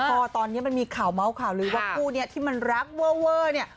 พอตอนนี้มันมีข่าวเมาส์ข่าวลือว่าคู่นี้ที่มันรักเวอร์เนี่ย